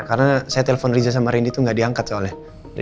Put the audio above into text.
karena saya telepon riza sama rendy tuh nggak diangkat soalnya